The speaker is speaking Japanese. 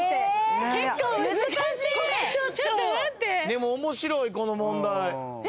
でも面白いこの問題。